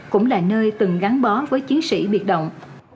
cũng là nơi từng gắn bó với chiến sĩ biệt động